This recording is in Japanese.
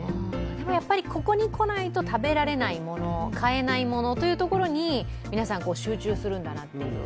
でも、ここに来ないと食べられないもの、買えないものに皆さん集中するんだなという。